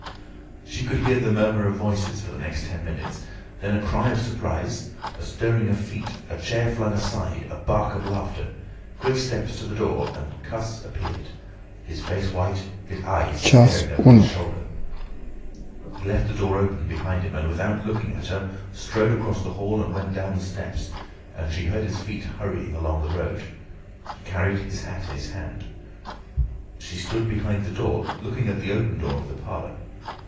She could hear the murmur of voices for the next ten minutes, then a cry of surprise, a stirring of feet, a chair flung aside, a bark of laughter, quick steps to the door, and Cuss appeared, his face white, his eyes staring over his shoulder. He left the door open behind him, and without looking at her strode across the hall and went down the steps, and she heard his feet hurrying along the road. He carried his hat in his hand. She stood behind the door, looking at the open door of the parlour.